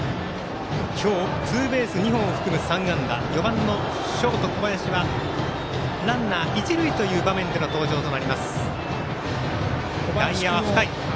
今日ツーベース２本を含むヒット４番のショート、小林はランナー、一塁という場面での登場になります。